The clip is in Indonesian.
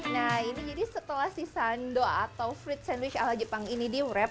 nah ini jadi setelah si sando atau fruit sandwich ala jepang ini diwrap